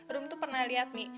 rum tuh pernah liat mi